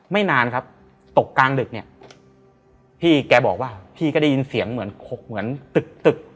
ไม่นานครับตกกลางดึกเนี่ยพี่แกบอกว่าพี่ก็ได้ยินเสียงเหมือนขกเหมือนตึกตึก